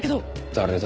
誰だ？